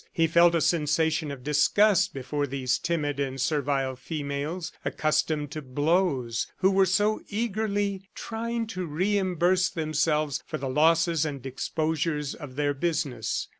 He felt a sensation of disgust before these timid and servile females, accustomed to blows, who were so eagerly trying to reimburse themselves for the losses and exposures of their business.